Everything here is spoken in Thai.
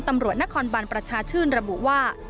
ตำรวจนครบันประชาชื่นระบุว่า